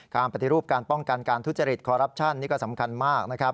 การปฏิรูปการป้องกันการทุจริตคอรัปชั่นนี่ก็สำคัญมากนะครับ